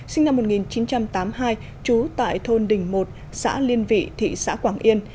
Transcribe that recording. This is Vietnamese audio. sinh năm một nghìn chín trăm tám mươi hai trú tại thôn đình một xã liên vị thị xã quảng yên